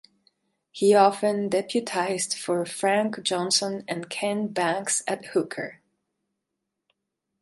He often deputised for Frank Johnson and Ken Banks at hooker.